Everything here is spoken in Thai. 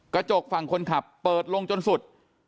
กระจกฝั่งคนขับเปิดลงจนสุด